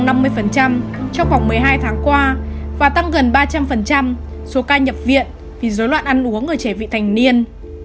trong khoảng một mươi hai tháng qua và tăng gần ba trăm linh số ca nhập viện vì dối loạn ăn uống ở trẻ vị thành niên